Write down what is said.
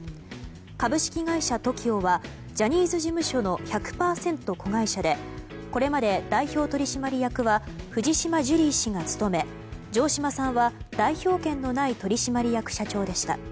株式会社ＴＯＫＩＯはジャニーズ事務所の１００％子会社でこれまで代表取締役は藤島ジュリー氏が務め城島さんは代表権のない取締役社長でした。